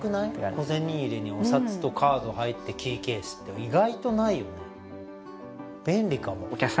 小銭入れにお札とカード入ってキーケースって意外とないよね